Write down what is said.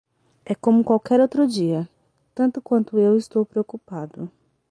É como qualquer outro dia, tanto quanto eu estou preocupado.